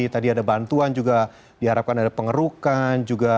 tadi ada bantuan juga diharapkan ada pengerukan